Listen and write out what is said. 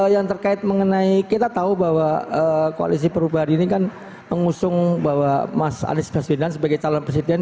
yang terkait mengenai kita tahu bahwa koalisi perubahan ini kan mengusung bahwa mas anies baswedan sebagai calon presiden